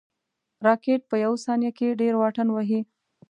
راکټ په یو ثانیه کې ډېر واټن وهي